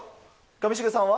上重さんは？